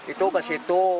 itu ke situ